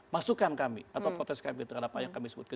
masukan kami atau protes kami terhadap apa yang kami sebutkan